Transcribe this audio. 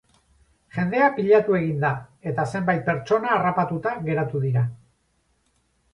Jendea pilatu egin da eta zenbait pertsona harrapatuta geratu dira.